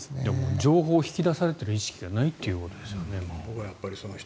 情報を引き出されている意識がないということですよね怖い。